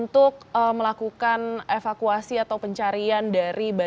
sudah mulai mengifat disitu yang apa persoalan air ke at